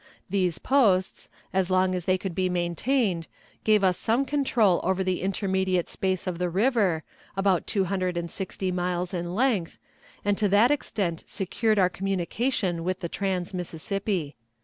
These posts, as long as they could be maintained, gave us some control over the intermediate space of the river, about two hundred and sixty miles in length, and to that extent secured our communication with the trans Mississippi.